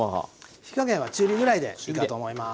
火加減は中火ぐらいでいいかと思います。